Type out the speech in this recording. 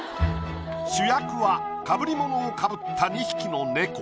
主役はかぶり物をかぶった２匹の猫。